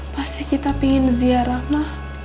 pasti kita pingin ziarah ma